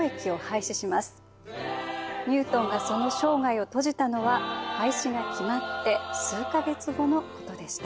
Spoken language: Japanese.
ニュートンがその生涯を閉じたのは廃止が決まって数か月後のことでした。